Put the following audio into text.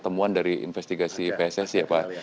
temuan dari investigasi pssi ya pak